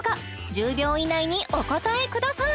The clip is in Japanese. １０秒以内にお答えください